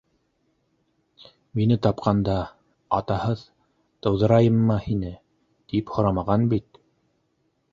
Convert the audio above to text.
- Мине тапҡанда... атаһыҙ тыуҙырайыммы һине, тип һорамаған бит!